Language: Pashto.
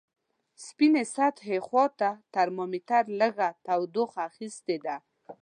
سپینې سطحې خواته ترمامتر لږه تودوخه اخستې ده.